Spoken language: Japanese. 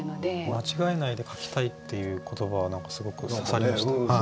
間違えないで書きたいっていう言葉は何かすごく刺さりましたね。